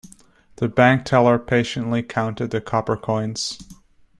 The bank teller patiently counted the copper coins.